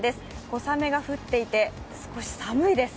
小雨が降っていて、少し寒いです。